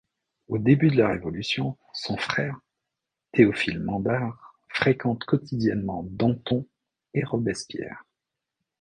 Au début de la Révolution, son frère, Théophile Mandar, fréquente quotidiennement Danton et Robespierre.